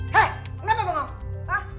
hei kenapa bu ngom